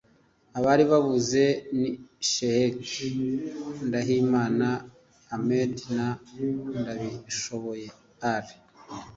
Abari babuze ni Sheikh Ndahimana Ahmed na Ndabishoboye Ally